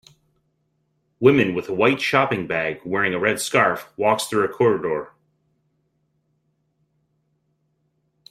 Women with a white shopping bag wearing a red scarf walks through a corridor.